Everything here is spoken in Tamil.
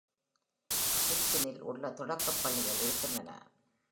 ஹிட்சினில் பல தொடக்கப் பள்ளிகள் இருக்கின்றன.